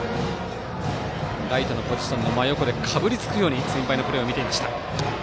ライトのポジションの真横でかぶりつくように先輩のプレーを見ていました。